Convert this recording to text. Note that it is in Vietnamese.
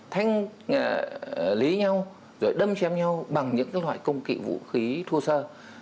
thành lý nhau rồi đâm chém nhau bằng những loại công kỵ vũ khí thua sơ